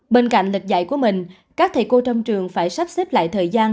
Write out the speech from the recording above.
bên cạnh lịch dạy của mình các thầy cô trong trường phải sắp xếp lại thời gian